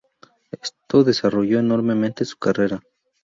Esto desarrolló enormemente su carrera.